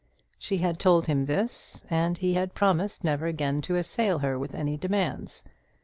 She had told him this, and he had promised never again to assail her with any demands.